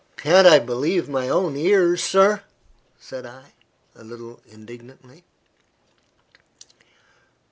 "Can't I believe my own ears, sir?" said I, a little indignantly.